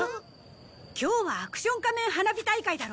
今日はアクション仮面花火大会だろ！